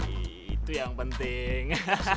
itu yang penting